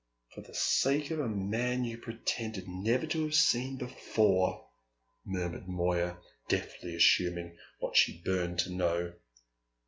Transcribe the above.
"For the sake of a man you pretended never to have seen before," murmured Moya, deftly assuming what she burned to know.